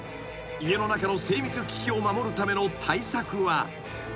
［家の中の精密機器を守るための対策は］